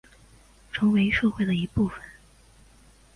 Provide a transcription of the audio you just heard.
成为社会的一部分